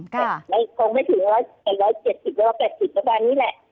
คงไม่ถึง๑๗๐๑๘๐แล้วก็แบบนี้แหละ